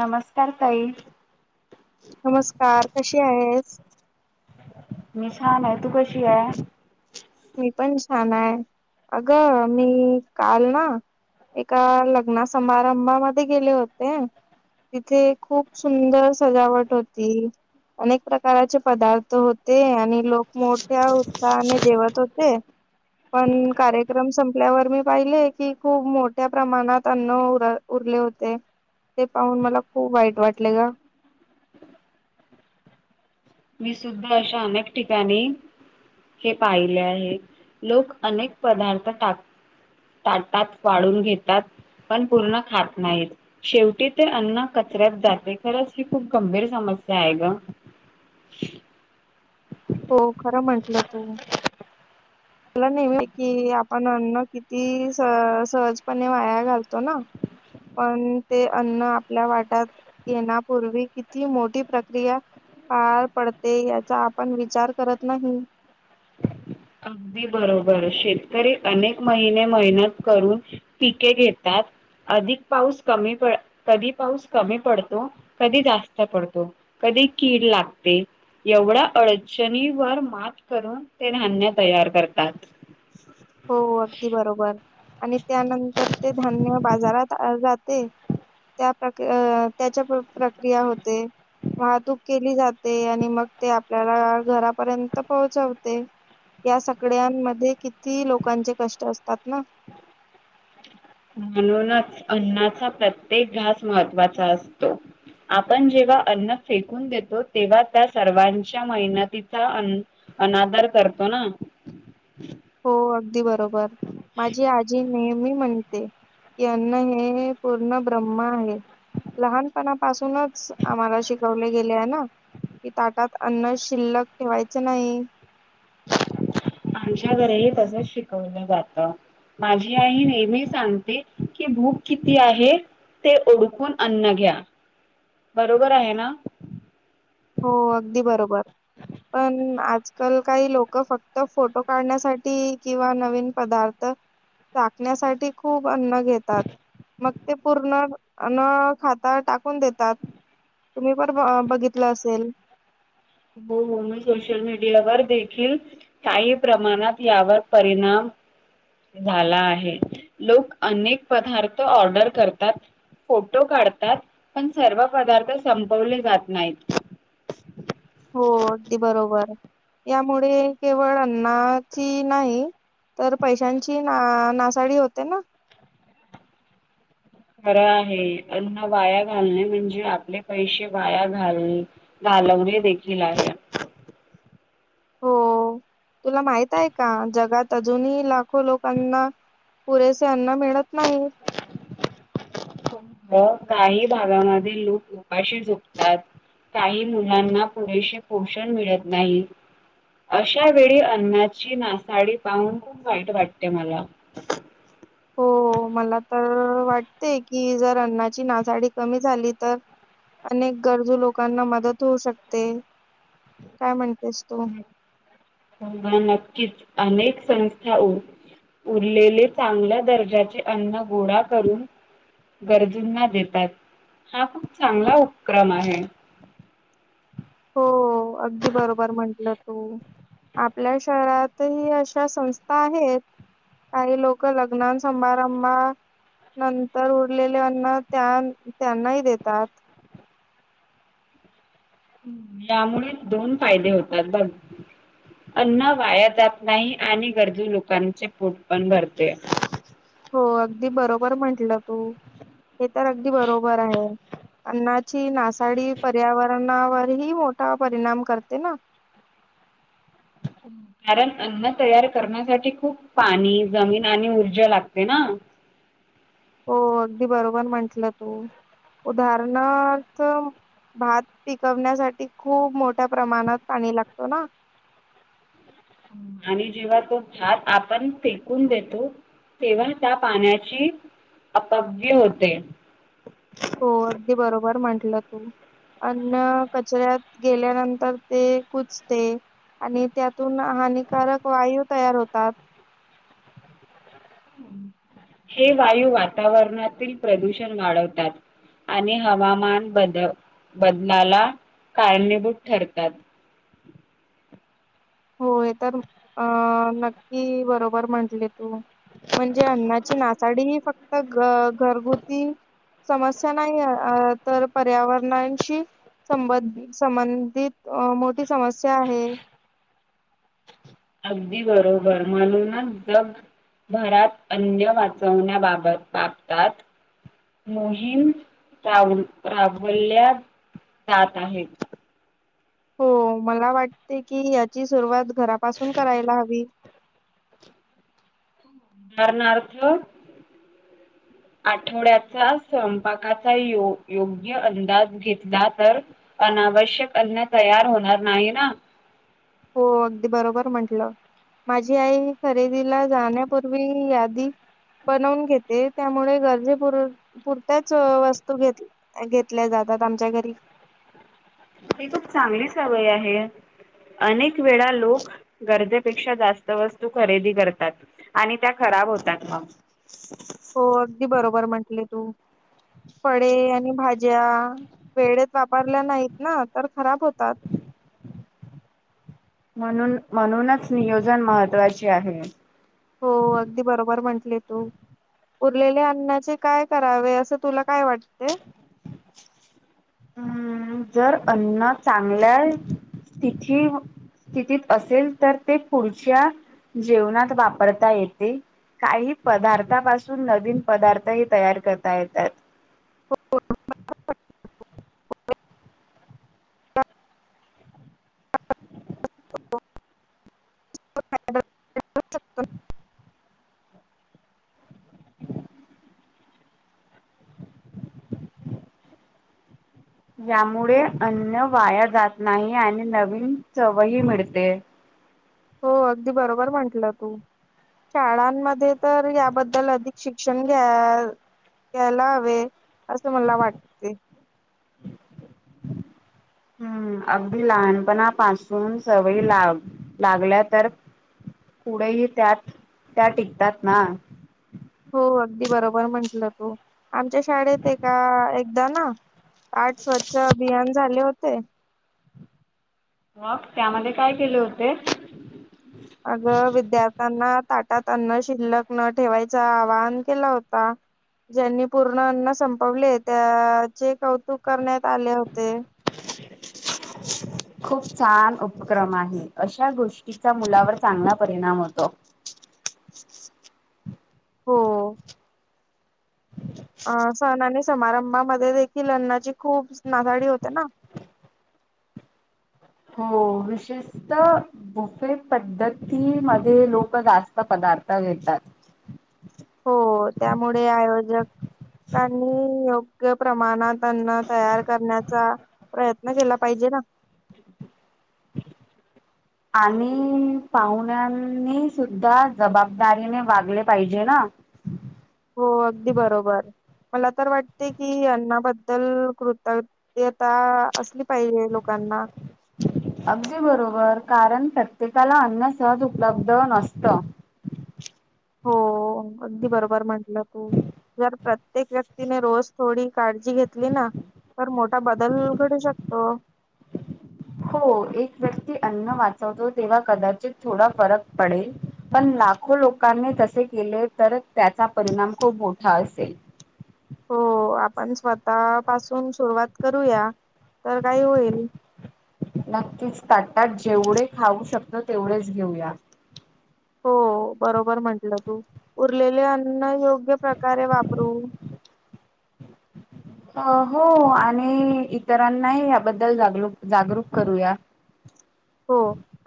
नमस्कार ताई. नमस्कार, कशी आहेस? मी छान आहे तू कशी आहे? मी पण छान आहे. अगं, मी काल ना एका लग्ना समारंभामध्ये गेले होते तिथे खूप सुंदर सजावट होती. अनेक प्रकारचे पदार्थ होते आणि लोक मोठ्या उत्साहाने जेवत होते, पण कार्यक्रम संपल्यावर मी पाहिले की खूप मोठ्या प्रमाणात अन्न उरले होते ते पाहून मला खूप वाईट वाटले गं. मी सुद्धा अशा अनेक ठिकाणी हे पाहिले आहे लोक अनेक पदार्थ टाक ताटात वाढुन घेतात पण पूर्ण खात नाहीत शेवटी ते अन्न कचऱ्यात जाते खरंच ही खूप गंभीर समस्या आहे गं. श [unintelligible] हो खरं म्हंटल तू. मला नेहमी कि आपण अन्न किती स सहजपणे वाया घालतो ना, पण ते अन्न आपल्या वाटत येण्यापूर्वी किती मोठी प्रक्रिया पार पडते याचा आपण विचार करत नाही. अगदी बरोबर, शेतकरी अनेक महिने मेहनत करून पिके घेतात अधिक पाऊस कमी पड कधी पाऊस कमी पडतो, कधी जास्त पडतो, कधी कीड लागते एवढ्या अडचणी वर मात करून ते धान्य तयार करतात. हो, अगदी बरोबर. आणि त्यानंतर ते धान्य बाजारात जाते त्या त्याच्या प्रक्रिया होते वाहतूक केली जाते आणि मग ते आपल्याला घरापर्यंत पोहोचवते या सगळ्यांमध्ये कित किती लोकांचे कष्ट असतात ना? म्हणूनच अन्नाचा प्रत्येक घास महत्वाचा असतो आपण जेव्हा अन्न फेकून देतो तेव्हा त्या सर्वांच्या मेहनतीचा अन अनादर करतो ना? ह [unintelligible] दी बरोबर. बरं माझी आजी.. नेहमी म्हणते की अन्न हे पूर्ण ब्रह्म आहे. लहानपणापासूनच आम्हाला शिकवले गेले आहे ना कि ताटात अन्न शिल्लक ठेवायच नाही. आमच्या घरीही तसच शिकवलं जात. माझी आई नेहमी सांगते की भूक किती आहे ते ओळखून अन्न घ्या बरोबर आहे ना? हो अगदी बरोबर. पण आ आजकाल काही लोक फक्त फोटो काढण्यासाठी किंवा नवीन पदार्थ चाकण्यासाठी खूप अन्न घेतात मग ते पूर्ण न खाता टाकून देतात तुम्ही पण बघितलं तलं असेल. हो, हो मी सोशल मीडियावर देखील काही प्रमाणात यावर परिणाम झाला आहे. लोक अनेक पदार्थ ऑर्डर करतात फोटो काढतात पण सर्व पदार्थ संपवले जात नाहीत. हो अगदी बरोबर. यामुळे केवळ अन्नाची नाही तर पैशांची ना नासाडी होते ना. खरं आहे अन्न वाया घालणे म्हणजे आपले पैसे वाया घाल घालवले देखील आहे. हो तुला माहित आहे का जगात अजूनही लाखो लोकांना पुरेसे अन्न मिळत नाहीत. काही भागामध्ये लोक उपाशी झोपतात काही मुलांना पुरेसे पोषण मिळत नाही अशा वेळी अन्नाची नासाडी पाहून खूप वाईट वाटते मला. हो मला तर वाटते की जर अन्नाची नासाडी कमी झाली तर अनेक गरजू लोकांना मदत होऊ शकते, काय म्हणते ह नक्कीच. अनेक संस्था उरलेले चांगल्या दर्जाचे अन्न गोळा करून गरजूंना देतात हा खूप चांगला उपक्रम आहे. हो अगदी बरोबर म्हटलं तू. आपल्या शहरातही अशा संस्था आहेत. काही लोक लग्ना सभारंभ नंतर उरलेल्या अन्न त्यां त्यांनाही देतात. यामुळे दोन फायदे होतात बघ. अन्न वाया जात नाही आणि गरजू लोकांचे पोट पण भरते. हो अगदी बरोबर म्हंटलं तू. हे तर अगदी बरोबर आहे. अन्नाची नासाडी पर्यावरणावरही मोठा परिणाम करते ना? कारण अन्न तयार करण्यासाठी खूप पाणी, जमीन आणि ऊर्जा लागते ना? हो. अगदी बरोबर म्हंटलं तू. उदाहरणार्थ, भात पिकवण्यासाठी खूप मोठ्या प्रमाणात पाणी लागत ना? आणि जेव्हा तो भात आपण फेकून देतो तेव्हा त्या पाण्याची अपव्यय होते. हो अगदी बरोबर म्हटलं तू अन्न, कचऱ्यात गेल्यानंतर ते कुजते आणि त्यातून हानिकारक वायू तयार होतात. हे वायू वातावरणातील प्रदूषण वाढवतात आणि हवामान बद बदलाला कारणीभूत ठरतात. होय तर. अं- नक्की बरोबर म्हंटले तू म्हणजे, अन्नाची नासाडी ही फक्त घ घरगुती समस्या नाहीए अं - तर पर्यावरणशी संबंध संबंधित मोठी समस्या आहे. अगदी बरोबर. म्हणूनच जगभरात अन्न वाचवण्याबाबत बाबतात मोहीम राबवल्या जात आहेत हो, मला वाटते की याची सुरुवात घरापासून करायला हवी. उदाहरणार्थ, आठवड्याचा स्वयंपाकाचा यो योग्य अंदाज घेतला तर अनावश्यक अन्न तयार होणार नाही ना? हो अगदी बरोबर म्हंटलं. माझी आई खरेदीला जाण्यापूर्वी यादी बनवून घेते, त्यामुळे गरजेपर पुरततच वस्तू घेत घेतल्या जातात आमच्या घरी. ही खूप चांगली सवय आहे. अनेक वेळा लोक गरजेपेक्षा जास्त वस्तू खरेदी करतात आणि त्या खराब होतात म. हो, अगदी बरोबर म्हंटली तू. फळे आणि भाज्या वेळेत वापरल्या नाहीत ना तर खराब होतात. म्हणून म्हणूनच नियोजन महत्त्वाचे आहे. हो, अगदी बरोबर म्हंटले तू. उरलेले अन्नाचे काय करावे असे तुला काय वाटते? हम् -जर अन्न चांगल्या स्थिथ स्थितीत असेल तर ते, पुढच्या जेवणात वापरता येते. काही पदार्थापासून नवीन पदार्थ ही तयार करता येतात. हो. [inaudible] यामुळे अन्न वाया जात नाही आणि नवीन चवही मिळते. हो अगदी बरोबर म्हंटलं तू. शाळांमध्ये तर याबद्दल अधिक शिक्षण घ्या घ्यायला हवे असं मला वाटते. हम्म -अगदी लहानपणापासून सवयी लाग लागल्या तर पुुढेही त्यात त्या टिकतात ना? हो, अगदी बरोबर म्हंटलं तू. आमच्या शाळेत एका- एक- द्या ना. आठ स्वच्छ अभियान झाले हो- ते- मग त्यामध्ये काय केले होते? अग, -विद्यार्थ्यांना ताटात अन्न शिल्लक न ठेवायच आवाहन केला होता. ज्यांनी पूर्ण अन्न संपवले त्याचे कौतुक करण्यात- आले होते. खूप छान उपक्रम आहे. अशा गोष्टीचा मुलावर चांगला परिणाम होतो. हो. ह स न समारंभामध्ये देखील अन्नाची खूप नासााडी होते ना? हो, विशेषतः बुफे पद्धतीमध्ये लोक जास्त पदार्थ घेतात. हो त्यामुळे आयोजकांनी योग्य प्रमाणात अन्न तयार करण्याचा प्रयत्न केला पाहिजे ना. आणि पाहुण्यांनी सुद्धा जबाबदारीने वागले पाहिजे ना. हो अगदी बरोबर मला तर वाटते कि अन्नाबद्दल कृतज्ञता असली पाहिजे लोकांना अगदी बरोबर कारण प्रत्येकाला अन्न सहज उपलब्ध नसतं. हो अगदी बरोबर म्हटलं तू जर प्रत्येक व्यक्तीने रोज थोडी काळजी घेतली ना तर मोठा बदल घडू शकतो. हो एक व्यक्ती अन्न वाचवतो तेव्हा कदाचित थोडा फरक पडेल पण लाखो लोकांनी तसे केले तर त्याचा परिणाम खूप मोठा असेल. हो आपण स्वतः पासून सुरुवात करूया तर काय होईल. नक्कीच ताटात जेवढे खाऊ शकतो तेवढेच घेऊया. हो बरोबर म्हंटलं तू उरलेले अन्न योग्य प्रकारे वापरू. हो आणि इतरांनाही याबद्दल जाग जागरूक करूया. हो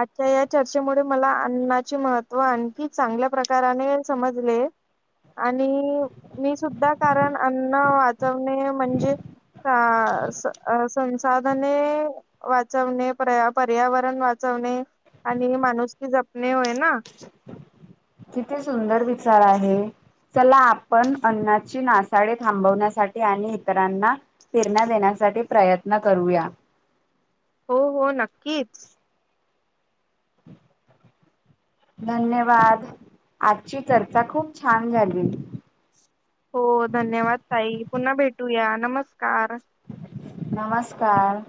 आच्छा या चर्चेमुळे मला अन्नाचे महत्त्व आणखी चांगल्या प्रकाराने समजले आणि मी सुद्धा कारण अन्न वाचवणे म्हणजे संसाधने वाचवणे प पर्यावरण वाचवणे आणि माणूस की जपणे होय ना. किती सुंदर विचार आहे चला आपण अन्नाची नासाडे थांबवण्यासाठी आणि इतरांना फिरण्या देण्यासाठी प्रयत्न करूया. हो हो नक्कीच. धन्यवाद आजची चर्चा खूप छान झाली. हो धन्यवाद ताई पुन्हा भेटूया नमस्कार. नमस्कार.